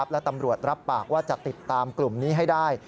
และตำรวจรับปากว่าจะติดตามกลุ่มนี้ให้ได้